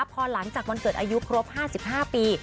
พอหลังจากวันเกิดอายุครบ๕๕ปี